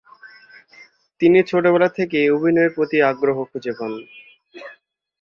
তিনি ছোটবেলা থেকেই অভিনয়ের প্রতি আগ্রহ খুঁজে পান।